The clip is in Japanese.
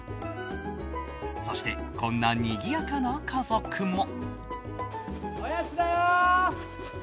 そしてこんなにぎやかな家族も。